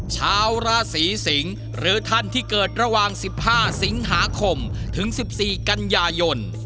ชาวราศีสิงศ์หรือท่านที่เกิดระหว่าง๑๕สิงหาคมถึง๑๔กันยายน